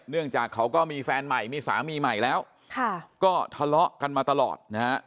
เนื่องจากเขาก็มีแฟนใหม่มีสามีใหม่แล้วก็ทะเลาะกันมาตลอดนะฮะ